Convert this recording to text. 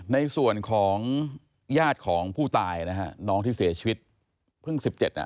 ในส่วนของญาติของผู้ตายนะฮะน้องที่เสียชีวิตเพิ่ง๑๗อ่ะ